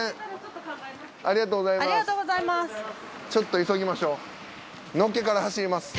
ちょっと急ぎましょう。